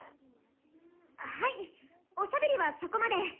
はいおしゃべりはそこまで！